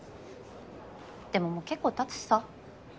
でももう結構経つしさ。